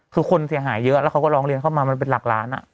คือคนเสียหายเยอะแล้วเขาก็ร้องเรียนเข้ามามันเป็นหลักล้าน